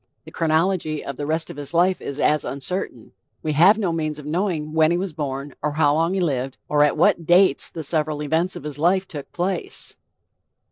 The chronology of the rest of his life is as uncertain...We have no means of knowing when he was born, or how long he lived, or at what dates the several events of his life took place."